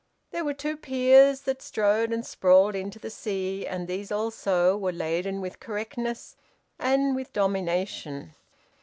There were two piers that strode and sprawled into the sea, and these also were laden with correctness and with domination.